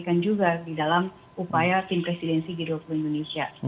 dan ini juga kita berikan di dalam upaya tim presidensi g dua puluh indonesia